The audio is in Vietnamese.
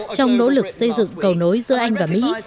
trong nỗ lực xây dựng cầu nối giữa anh và mỹ